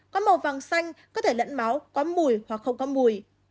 có màu vàng xanh có thể lẫn máu có mùi hoặc không có mùi